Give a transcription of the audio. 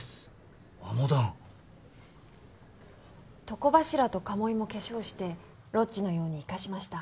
床柱とかもいも化粧してロッジのように生かしました。